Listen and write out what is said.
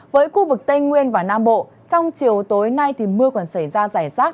với khu vực tây nguyên và nam bộ trong chiều tối nay thì mưa còn xảy ra rải rác